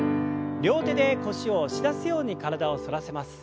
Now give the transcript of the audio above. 両手で腰を押し出すように体を反らせます。